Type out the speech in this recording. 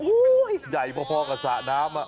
ใหญ่พอกับสระน้ำ